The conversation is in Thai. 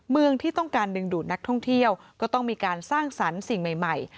เมืองที่ต้องการดึงดูดนักท่องเที่ยวก็ต้องมีการสร้างสรรค์สิ่งใหม่